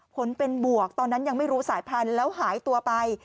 ผลเป็นบวกตอนนั้นยังไม่รู้สายพันธุ์แล้วหายตัวไป